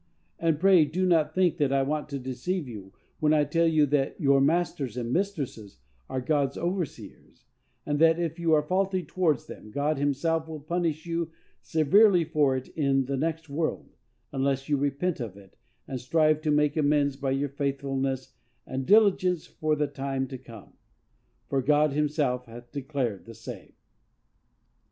And, pray, do not think that I want to deceive you when I tell you that your masters and mistresses are God's overseers; and that, if you are faulty towards them, God himself will punish you severely for it in the next world, unless you repent of it, and strive to make amends by your faithfulness and diligence for the time to come; for God himself hath declared the same.